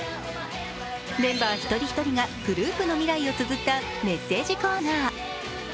メンバー１人１人がグループの未来を綴ったメッセージコーナー。